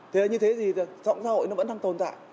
thế là như thế thì trong xã hội nó vẫn đang tồn tại